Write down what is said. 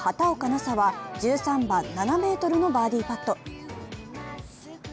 紗は１３番７ｍのバーディーパット。